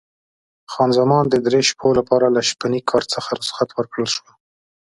خان زمان د درې شپو لپاره له شپني کار څخه رخصت ورکړل شوه.